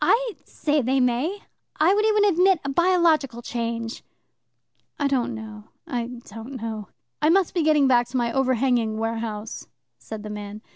I say they may. I would even admit a biological change." "I don't know, I don't know." "I must be getting back to my overhanging warehouse," said the man.